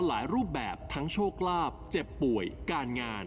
รูปแบบทั้งโชคลาภเจ็บป่วยการงาน